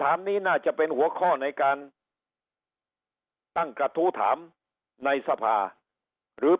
นี้น่าจะเป็นหัวข้อในการตั้งกระทู้ถามในสภาหรือ